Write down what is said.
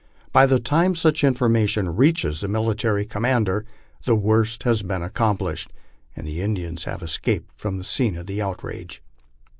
By the time such in formation reaches the military commander, the worst has been accomplished, and the Indians have escaped from the scene of outrage.